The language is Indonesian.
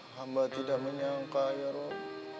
hamba tidak menyangka ya rob